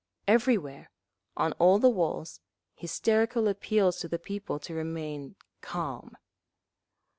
Everywhere, on all the walls, hysterical appeals to the people to remain "calm."